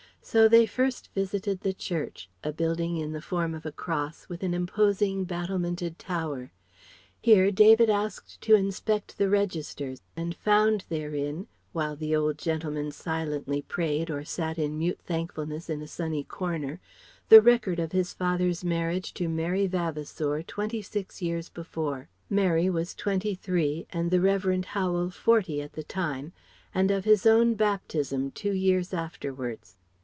So they first visited the church, a building in the form of a cross, with an imposing battlemented tower. Here David asked to inspect the registers and found therein (while the old gentleman silently prayed or sat in mute thankfulness in a sunny corner) the record of his father's marriage to Mary Vavasour twenty six years before (Mary was twenty three and the Revd. Howel forty at the time) and of his own baptism two years afterwards.